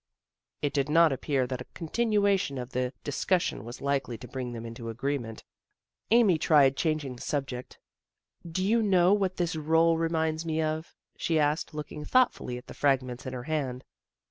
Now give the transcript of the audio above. It did not appear that a continuation of the discussion was likely to bring them into agree ment. Amy tried changing the subject. " Do you know what this roll reminds me of ?" she asked, looking thoughtfully at the fragments in her hand.